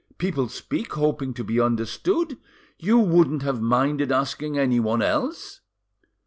People speak hoping to be understood. You wouldn't have minded asking anyone else."